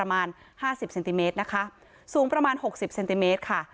ประมาณ๕๐เซนติเมตรนะคะสูงประมาณ๖๐เซนติเมตรค่ะ